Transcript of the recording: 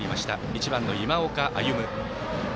１番の今岡歩夢。